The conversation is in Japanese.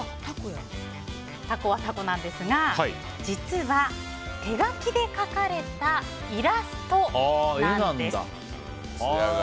タコはタコなんですが実は、手書きで描かれたイラストなんです。